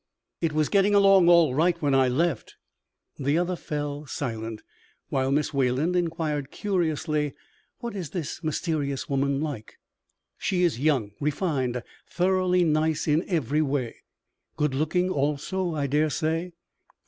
"It was getting along all right when I left." The other fell silent, while Miss Wayland inquired, curiously: "What is this mysterious woman like?" "She is young, refined thoroughly nice in every way." "Good looking also, I dare say?"